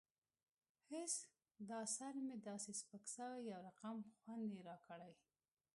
هېڅ دا سر مې داسې سپک سوى يو رقم خوند يې راکړى.